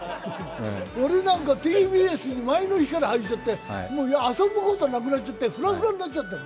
俺なんか、ＴＢＳ、前の日から入って遊ぶことなくなっちゃってふらふらになっちゃった。